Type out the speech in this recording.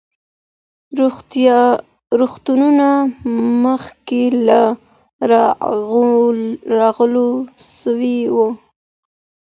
روغتونونه مخکې لا رغول سوي وو.